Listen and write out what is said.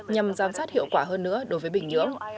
nhằm giám sát hiệu quả hơn nữa đối với bình nhưỡng